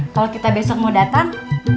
kalau kita besok mau datang